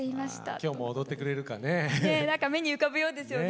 今日も踊ってくれるかね。